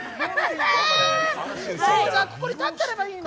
ここに立ってればいいの？